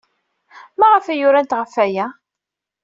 Maɣef ay urant ɣef waya?